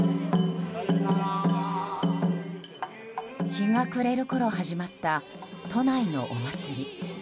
日が暮れるころ始まった都内のお祭り。